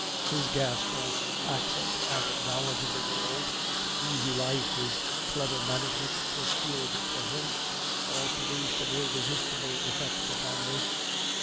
His Gascon accent and knowledge of the world, the easy life his clever management procured for him, all produced an irresistible effect upon me.